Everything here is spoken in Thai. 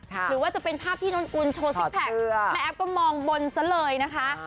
หรือว่าจะเป็นภาพที่นนกุลโชว์ซิกแพคแม่แอฟก็มองบนซะเลยนะคะ